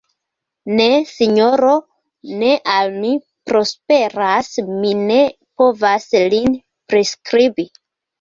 Ne, sinjoro, ne al mi prosperas, mi ne povas lin priskribi.